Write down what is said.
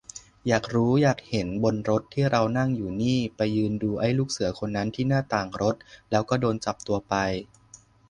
อยากรู้อยากเห็นบนรถที่เรานั่งอยู่นี่ ไปยืนดูไอ้ลูกเสือคนนั้นที่หน้าต่างรถ แล้วก็โดนจับตัวไป